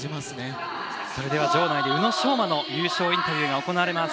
それでは場内に宇野昌磨の優勝インタビューです。